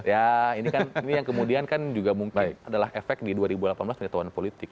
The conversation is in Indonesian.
ya ini kan yang kemudian kan juga mungkin adalah efek di dua ribu delapan belas pengetahuan politik